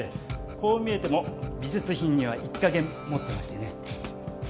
こう見えても美術品には一家言持ってましてね。